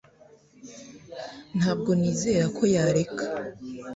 Ntabwo nizera ko yareka